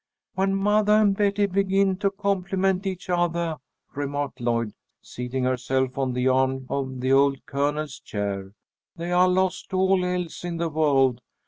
"When mothah and Betty begin to compliment each othah," remarked Lloyd, seating herself on the arm of the old Colonel's chair, "they are lost to all else in the world.